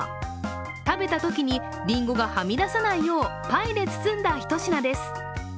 食べたときにりんごがはみ出さないようパイで包んだひと品です。